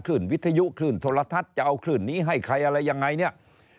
วิทยุคลื่นโทรทัศน์จะเอาคลื่นนี้ให้ใครอะไรยังไงเนี่ย